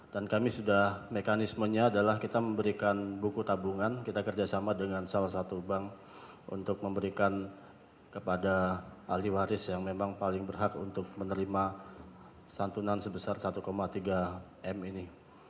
kami sudah mekanismenya adalah kita memberikan buku tabungan kita kerjasama dengan salah satu bank untuk memberikan kepada ahli waris yang memang paling berhak untuk menerima santunan sebesar satu tiga m ini